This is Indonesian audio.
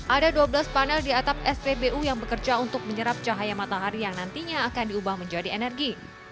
ada dua belas panel di atap spbu yang bekerja untuk menyerap cahaya matahari yang nantinya akan diubah menjadi energi